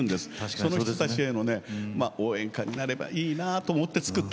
そんな人たちへの応援歌になればいいなと思って作りました。